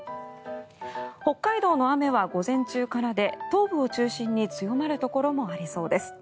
北海道の雨は午前中からで東部を中心に強まるところもありそうです。